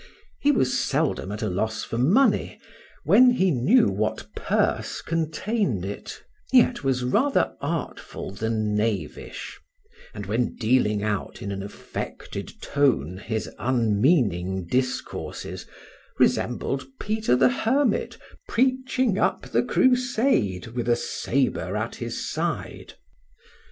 He was seldom at a loss for money when he knew what purse contained it; yet, was rather artful than knavish, and when dealing out in an affected tone his unmeaning discourses, resembled Peter the Hermit, preaching up the crusade with a sabre at his side.